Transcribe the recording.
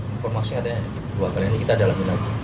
informasi katanya dua kali ini kita dalami lagi